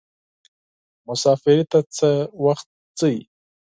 مسافری ته څه وخت ځئ.